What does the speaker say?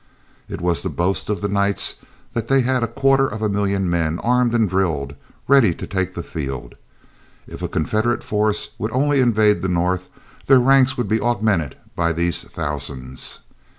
It was the boast of the Knights that they had a quarter of a million men armed and drilled, ready to take the field. If a Confederate force would only invade the North, their ranks would be augmented by these thousands.